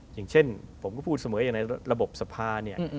อย่างเช่นผมก็พูดเสมออย่างในระบบสภาเนี่ย